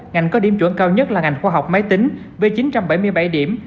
ngành có điểm chuẩn cao nhất là ngành khoa học máy tính với chín trăm bảy mươi bảy điểm